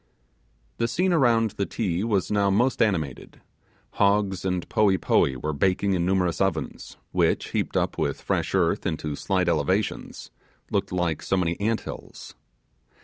The scene around the Ti was now most animated. Hogs and poee poee were baking in numerous ovens, which, heaped up with fresh earth into slight elevations, looked like so many ant hills.